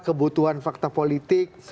kebutuhan fakta politik